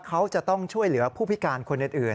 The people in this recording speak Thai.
เขาจะต้องช่วยเหลือผู้พิการคนอื่น